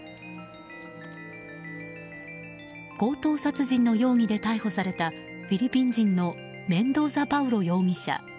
強盗殺人の容疑で逮捕されたフィリピン人のメンドーザ・パウロ容疑者